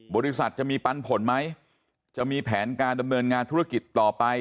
บริษัทจะมีปันผลไหมจะมีแผนการดำเนินงานธุรกิจต่อไป